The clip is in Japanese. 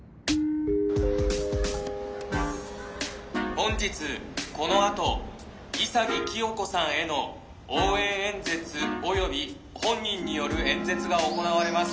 「本日このあと潔清子さんへの応援演説および本人による演説が行われます。